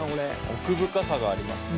奥深さがありますね。